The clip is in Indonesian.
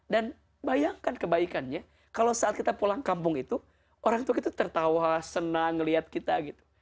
dan bayangkan kebaikannya kalau saat kita pulang kampung itu orang tua itu tertawa senang ngeliat kita gitu